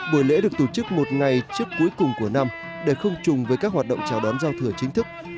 buổi lễ được tổ chức một ngày trước cuối cùng của năm để không chùng với các hoạt động chào đón giao thừa chính thức